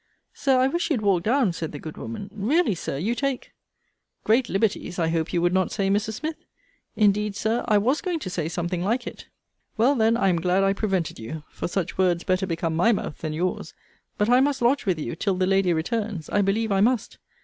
Sir, I wish you'd walk down, said the good woman. Really, Sir, you take Great liberties I hope you would not say, Mrs. Smith? Indeed, Sir, I was going to say something like it. Well, then, I am glad I prevented you; for such words better become my mouth than yours. But I must lodge with you till the lady returns. I believe I must.